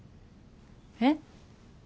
えっ？